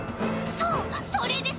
そうそれです